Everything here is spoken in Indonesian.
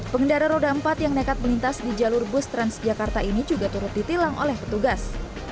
pengendara roda empat yang nekat melintas di jalur bus transjakarta ini juga turut ditilang oleh petugas